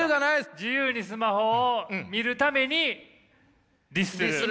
自由にスマホを見るために律する。